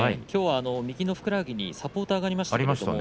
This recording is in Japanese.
きょう、右のふくらはぎにサポーターがありました。